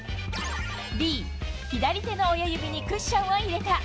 Ｂ、左手の親指にクッションを入れた。